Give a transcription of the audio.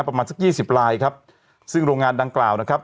ประมาณสักยี่สิบลายครับซึ่งโรงงานดังกล่าวนะครับ